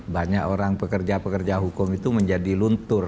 banyak orang pekerja pekerja hukum itu menjadi luntur